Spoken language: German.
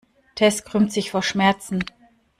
Tess krümmt sich vor Schmerzen.